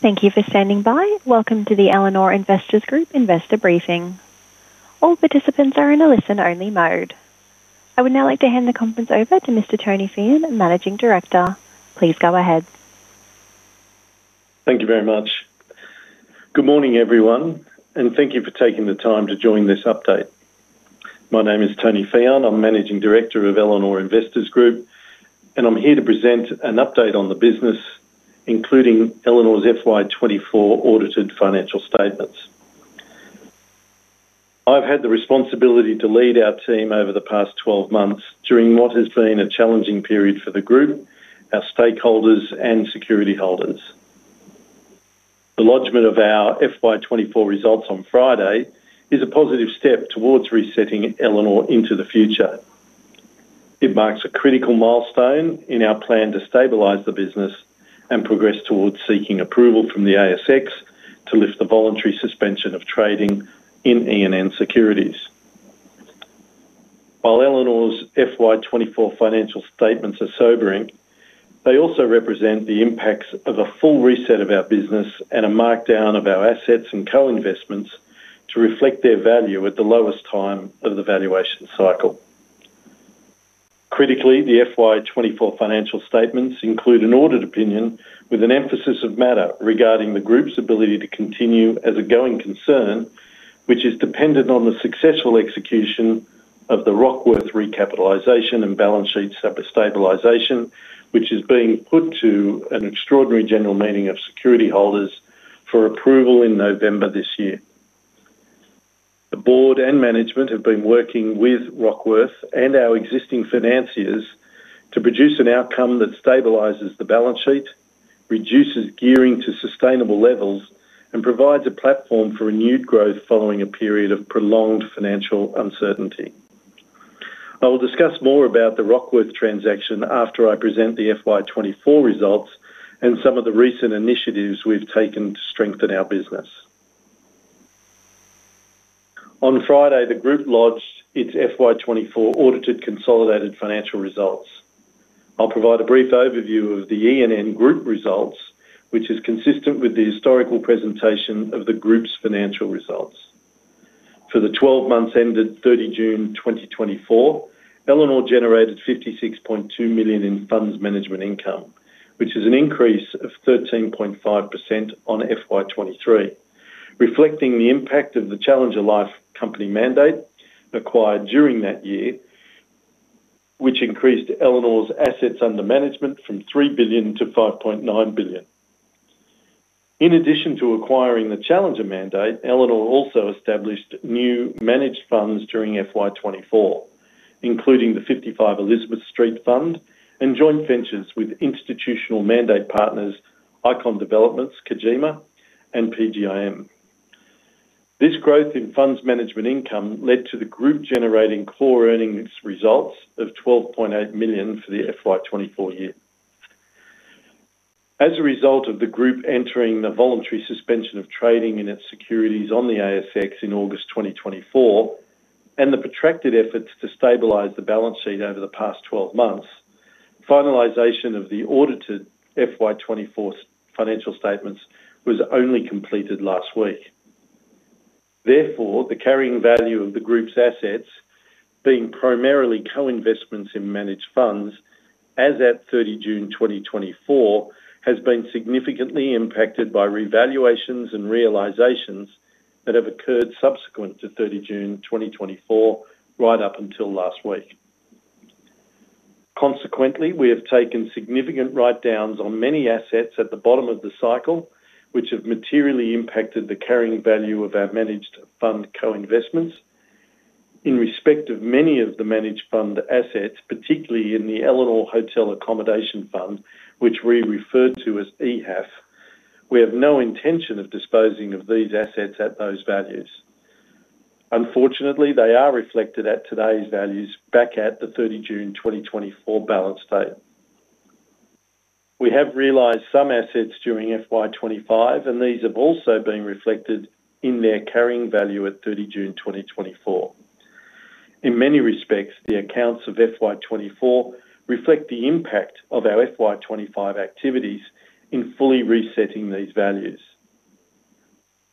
Thank you for standing by. Welcome to the Elanor Investors Group Investor Briefing. All participants are in a listen-only mode. I would now like to hand the conference over to Mr. Tony Fehon, Managing Director. Please go ahead. Thank you very much. Good morning, everyone, and thank you for taking the time to join this update. My name is Tony Fehon. I'm Managing Director of Elanor Investors Group, and I'm here to present an update on the business, including Elanor's FY 2024 audited financial statements. I've had the responsibility to lead our team over the past 12 months during what has been a challenging period for the group, our stakeholders, and security holders. The lodgement of our FY 2024 results on Friday is a positive step towards resetting Elanor into the future. It marks a critical milestone in our plan to stabilize the business and progress towards seeking approval from the ASX to lift the voluntary suspension of trading in ENN securities. While Elanor's FY 2024 financial statements are sobering, they also represent the impacts of a full reset of our business and a markdown of our assets and co-investments to reflect their value at the lowest time of the valuation cycle. Critically, the FY 2024 financial statements include an audit opinion with an emphasis of matter regarding the group's ability to continue as a going concern, which is dependent on the successful execution of the Rockworth recapitalization and balance sheet stabilization, which is being put to an extraordinary general meeting of security holders for approval in November this year. The board and management have been working with Rockworth and our existing financiers to produce an outcome that stabilizes the balance sheet, reduces gearing to sustainable levels, and provides a platform for renewed growth following a period of prolonged financial uncertainty. I will discuss more about the Rockworth transaction after I present the FY 2024 results and some of the recent initiatives we've taken to strengthen our business. On Friday, the group lodged its FY 2024 audited consolidated financial results. I'll provide a brief overview of the ENN Group results, which is consistent with the historical presentation of the group's financial results. For the 12 months ended 30 June 2024, Elanor generated $56.2 million in funds management income, which is an increase of 13.5% on FY 2023, reflecting the impact of the Challenger Life Company mandate acquired during that year, which increased Elanor's assets under management from $3 billion to $5.9 billion. In addition to acquiring the Challenger Life Company mandate, Elanor also established new managed funds during FY 2024, including the 55 Elizabeth Street Fund and joint ventures with institutional mandate partners Icon Developments, Kajima, and PGIM. This growth in funds management income led to the group generating core earnings results of $12.8 million for the FY 2024 year. As a result of the group entering the voluntary suspension of trading in its securities on the ASX in August 2024 and the protracted efforts to stabilize the balance sheet over the past 12 months, finalization of the audited FY 2024 financial statements was only completed last week. Therefore, the carrying value of the group's assets, being primarily co-investments in managed funds, as at 30 June 2024, has been significantly impacted by revaluations and realizations that have occurred subsequent to 30 June 2024, right up until last week. Consequently, we have taken significant asset write-downs on many assets at the bottom of the cycle, which have materially impacted the carrying value of our managed fund co-investments. In respect of many of the managed fund assets, particularly in the Elanor Hotel and Accommodation Fund, which we refer to as EHAF, we have no intention of disposing of these assets at those values. Unfortunately, they are reflected at today's values back at the 30 June 2024 balance state. We have realized some assets during FY 2025, and these have also been reflected in their carrying value at 30 June 2024. In many respects, the accounts of FY 2024 reflect the impact of our FY 2025 activities in fully resetting these values.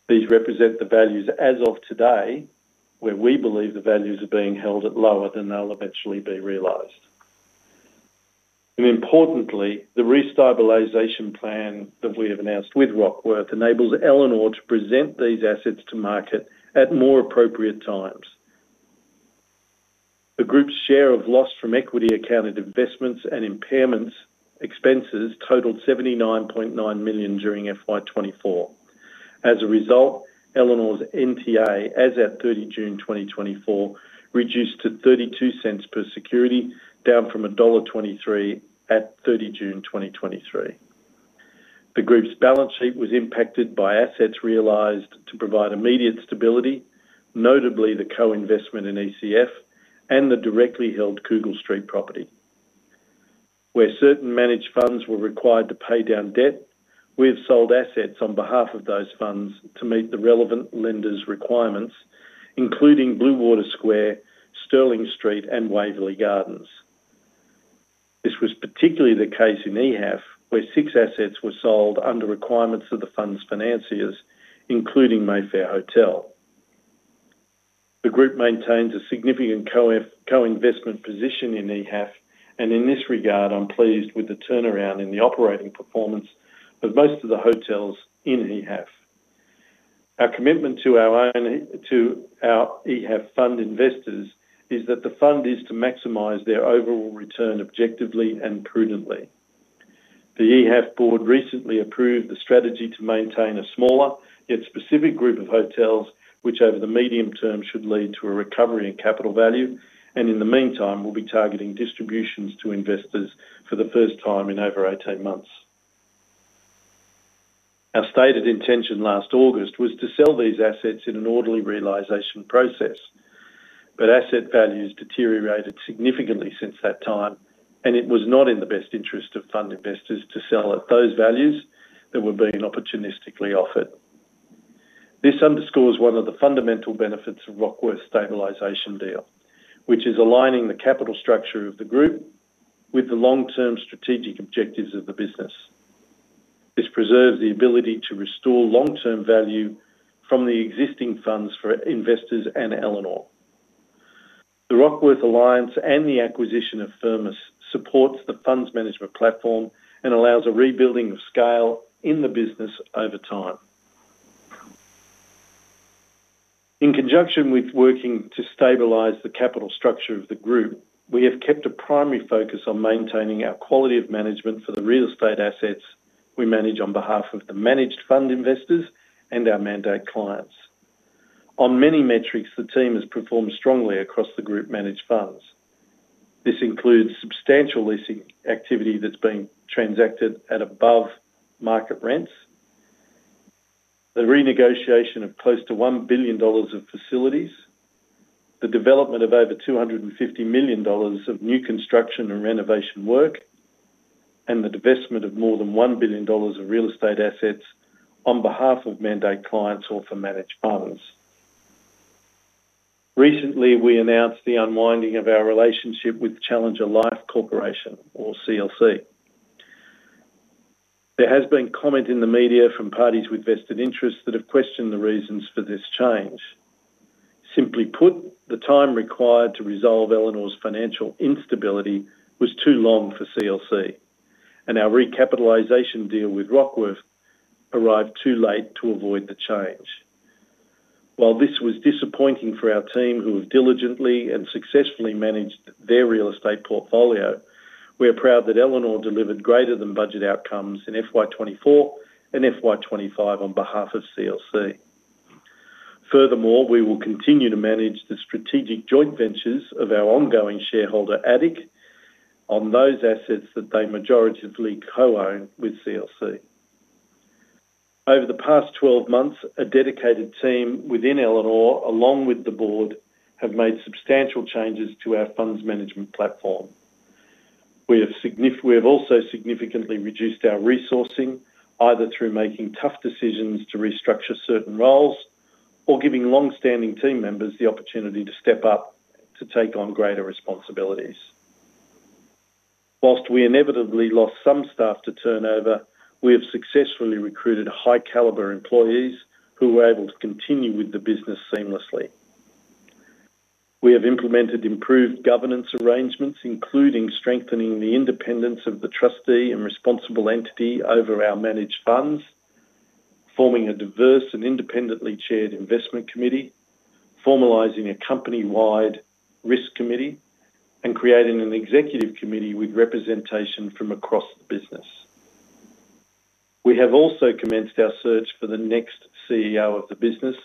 These represent the values as of today, where we believe the values are being held at lower than they'll eventually be realized. Importantly, the restabilization plan that we have announced with Rockworth enables Elanor to present these assets to market at more appropriate times. The group's share of loss from equity accounted investments and impairments expenses totaled $79.9 million during FY 2024. As a result, Elanor's NTA as at 30 June 2024 reduced to $0.32 per security, down from $1.23 at 30 June 2023. The group's balance sheet was impacted by assets realized to provide immediate stability, notably the co-investment in ECF and the directly held Google Street property. Where certain managed funds were required to pay down debt, we have sold assets on behalf of those funds to meet the relevant lender requirements, including Bluewater Square, Sterling Street, and Waverley Gardens. This was particularly the case in EHAF, where six assets were sold under requirements of the fund's financiers, including Mayfair Hotel. The group maintains a significant co-investment position in EHAF, and in this regard, I'm pleased with the turnaround in the operating performance of most of the hotels in EHAF. Our commitment to our EHAF fund investors is that the fund is to maximize their overall return objectively and prudently. The EHAF board recently approved the strategy to maintain a smaller yet specific group of hotels, which over the medium term should lead to a recovery in capital value, and in the meantime, we'll be targeting distributions to investors for the first time in over 18 months. Our stated intention last August was to sell these assets in an orderly realization process, but asset values deteriorated significantly since that time, and it was not in the best interest of fund investors to sell at those values that were being opportunistically offered. This underscores one of the fundamental benefits of Rockworth's stabilization deal, which is aligning the capital structure of the group with the long-term strategic objectives of the business. This preserves the ability to restore long-term value from the existing funds for investors and Elanor. The Rockworth Alliance and the acquisition of Thermos support the fund's management platform and allow a rebuilding of scale in the business over time. In conjunction with working to stabilize the capital structure of the group, we have kept a primary focus on maintaining our quality of management for the real estate assets we manage on behalf of the managed fund investors and our mandate clients. On many metrics, the team has performed strongly across the group managed funds. This includes substantial leasing activity that's being transacted at above market rents, the renegotiation of close to $1 billion of facilities, the development of over $250 million of new construction and renovation work, and the divestment of more than $1 billion of real estate assets on behalf of mandate clients or for managed funds. Recently, we announced the unwinding of our relationship with Challenger Life Corporation, or CLC. There has been comment in the media from parties with vested interests that have questioned the reasons for this change. Simply put, the time required to resolve Elanor's financial instability was too long for CLC, and our recapitalization deal with Rockworth arrived too late to avoid the change. While this was disappointing for our team who have diligently and successfully managed their real estate portfolio, we are proud that Elanor delivered greater than budget outcomes in FY 2024 and FY 2025 on behalf of CLC. Furthermore, we will continue to manage the strategic joint ventures of our ongoing shareholder ADIC on those assets that they majoritively co-own with CLC . Over the past 12 months, a dedicated team within Elanor, along with the board, have made substantial changes to our funds management platform. We have also significantly reduced our resourcing, either through making tough decisions to restructure certain roles or giving long-standing team members the opportunity to step up to take on greater responsibilities. Whilst we inevitably lost some staff to turnover, we have successfully recruited high-caliber employees who were able to continue with the business seamlessly. We have implemented improved governance arrangements, including strengthening the independence of the trustee and responsible entity over our managed funds, forming a diverse and independently chaired investment committee, formalizing a company-wide risk committee, and creating an executive committee with representation from across the business. We have also commenced our search for the next CEO of the business,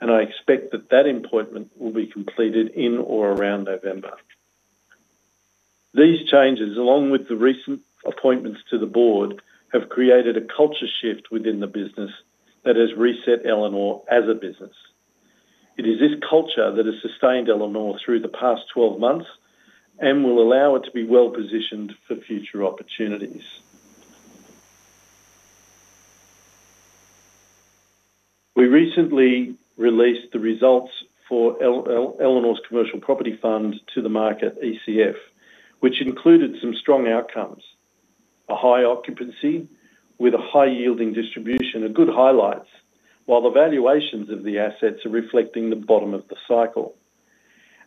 and I expect that that appointment will be completed in or around November. These changes, along with the recent appointments to the board, have created a culture shift within the business that has reset Elanor as a business. It is this culture that has sustained Elanor through the past 12 months and will allow it to be well-positioned for future opportunities. We recently released the results for Elanor Commercial Property Fund to the market, ECF, which included some strong outcomes: a high occupancy with a high-yielding distribution and good highlights, while the valuations of the assets are reflecting the bottom of the cycle.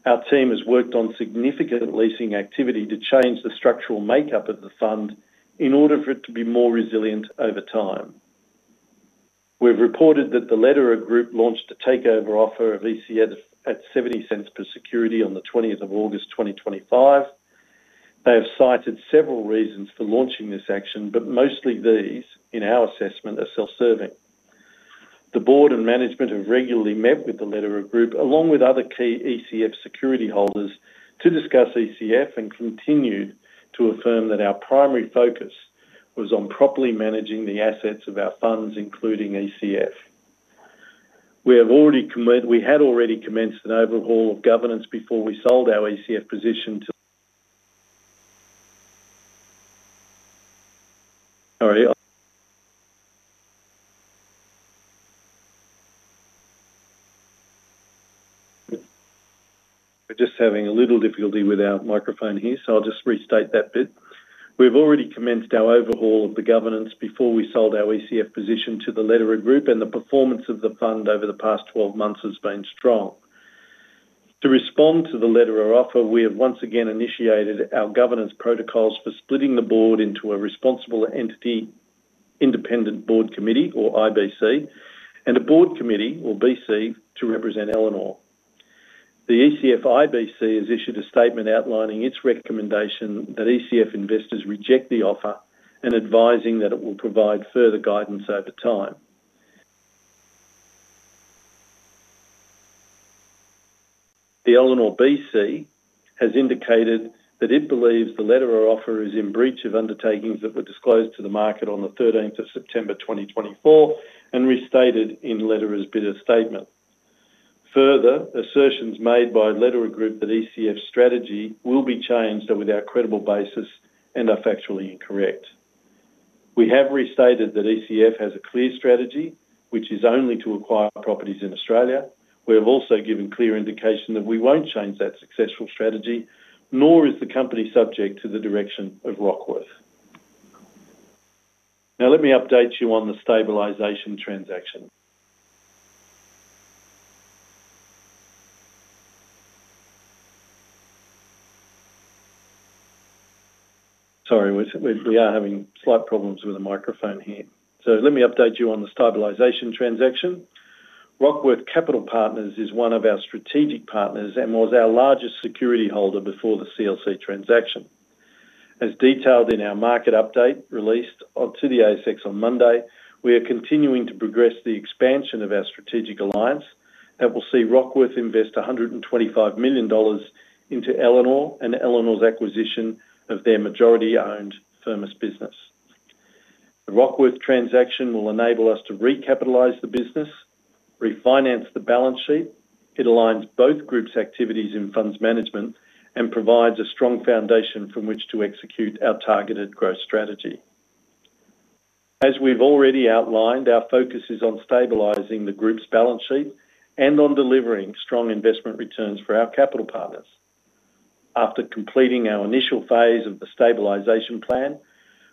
Our team has worked on significant leasing activity to change the structural makeup of the fund in order for it to be more resilient over time. We've reported that the Lederer Group launched a takeover offer of ECF at $0.70 per security on the 20th of August 2025. They have cited several reasons for launching this action, but mostly these, in our assessment, are self-serving. The Board and management have regularly met with the Lederer Group, along with other key ECF security holders, to discuss ECF and continue to affirm that our primary focus was on properly managing the assets of our funds, including ECF. We had already commenced an overhaul of governance before we sold our ECF position. We've already commenced our overhaul of the governance before we sold our ECF position to the Lederer Group, and the performance of the fund over the past 12 months has been strong. To respond to the Lederer offer, we have once again initiated our governance protocols for splitting the Board into a responsible entity Independent Board Committee, or IBC, and a Board Committee, or BC, to represent Elanor. The ECF IBC has issued a statement outlining its recommendation that ECF investors reject the offer and advising that it will provide further guidance over time. The Elanor BC has indicated that it believes the Lederer offer is in breach of undertakings that were disclosed to the market on the 13th of September 2024 and restated in Lederer's Bidder's statement. Further, assertions made by Lederer Group that ECF's strategy will be changed are without credible basis and are factually incorrect. We have restated that ECF has a clear strategy, which is only to acquire properties in Australia. We have also given clear indication that we won't change that successful strategy, nor is the company subject to the direction of Rockworth. Now, let me update you on the stabilization transaction. Rockworth Capital Partners is one of our strategic partners and was our largest security holder before the CLC transaction. As detailed in our market update released to the ASX on Monday, we are continuing to progress the expansion of our strategic alliance, and we'll see Rockworth invest $125 million into Elanor and Elanor's acquisition of their majority-owned Thermos business. The Rockworth transaction will enable us to recapitalize the business, refinance the balance sheet. It aligns both groups' activities in funds management and provides a strong foundation from which to execute our targeted growth strategy. As we've already outlined, our focus is on stabilizing the group's balance sheet and on delivering strong investment returns for our capital partners. After completing our initial phase of the stabilization plan,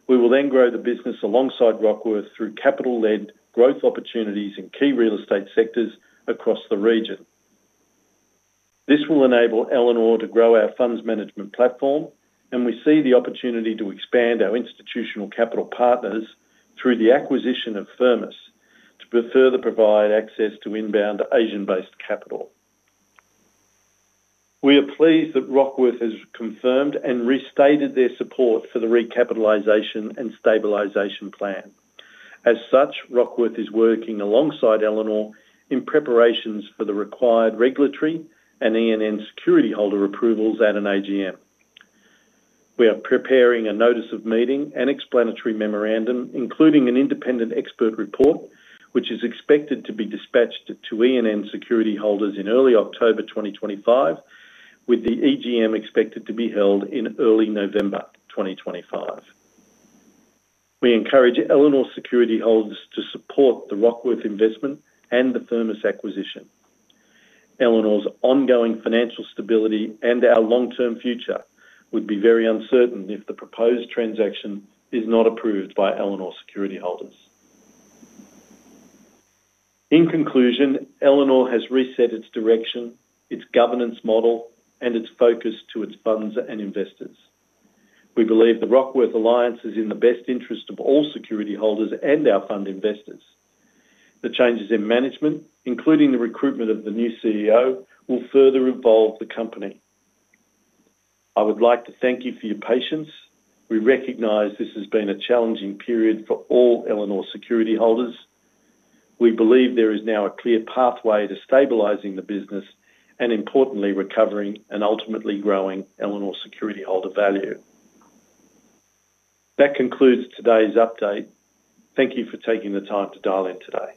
we will then grow the business alongside Rockworth through capital-led growth opportunities in key real estate sectors across the region. This will enable Elanor to grow our funds management platform, and we see the opportunity to expand our institutional capital partners through the acquisition of Thermos to further provide access to inbound Asian-based capital. We are pleased that Rockworth has confirmed and restated their support for the recapitalization and stabilization plan. As such, Rockworth is working alongside Elanor in preparations for the required regulatory and ENN security holder approvals at an AGM. We are preparing a notice of meeting and explanatory memorandum, including an independent expert report, which is expected to be dispatched to ENN security holders in early October 2025, with the AGM expected to be held in early November 2025. We encourage Elanor security holders to support the Rockworth investment and the Thermos acquisition. Elanor's ongoing financial stability and our long-term future would be very uncertain if the proposed transaction is not approved by Elanor security holders. In conclusion, Elanor has reset its direction, its governance model, and its focus to its funds and investors. We believe the Rockworth Alliance is in the best interest of all security holders and our fund investors. The changes in management, including the recruitment of the new CEO, will further evolve the company. I would like to thank you for your patience. We recognize this has been a challenging period for all Elanor security holders. We believe there is now a clear pathway to stabilizing the business and, importantly, recovering and ultimately growing Elanor security holder value. That concludes today's update. Thank you for taking the time to dial in today.